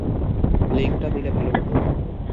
লিংকটা দিলে ভালো হতো।